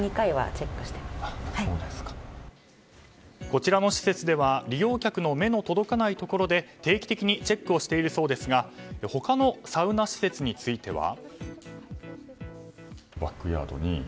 こちらの施設では利用客の目の届かないところで定期的にチェックしているそうなんですが他のサウナ施設については。